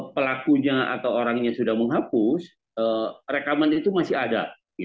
pelakunya atau orangnya sudah menghapus rekaman itu masih ada